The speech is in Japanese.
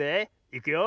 いくよ。